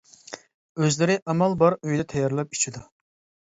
ئۆزلىرى ئامال بار ئۆيدە تەييارلاپ ئىچىدۇ.